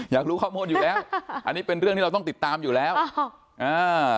อยากรู้ข้อมูลอยู่แล้วค่ะอันนี้เป็นเรื่องที่เราต้องติดตามอยู่แล้วอ้าวอ่า